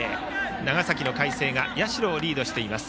長崎の海星が社をリードしています。